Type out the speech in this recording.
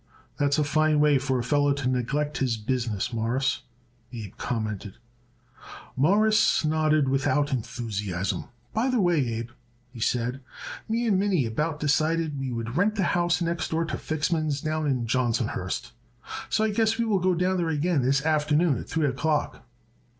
"That's a fine way for a feller to neglect his business, Mawruss," Abe commented. Morris nodded without enthusiasm. "By the way, Abe," he said, "me and Minnie about decided we would rent the house next door to Fixman's down in Johnsonhurst, so I guess we will go down there again this afternoon at three o'clock."